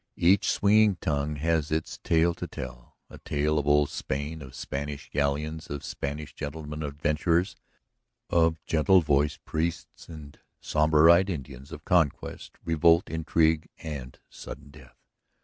Each swinging tongue has its tale to tell, a tale of old Spain, of Spanish galleons and Spanish gentlemen adventurers, of gentle voiced priests and sombre eyed Indians, of conquest, revolt, intrigue, and sudden death.